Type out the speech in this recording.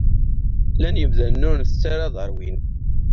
Llan yimdanen ur ntett ara ad rwun.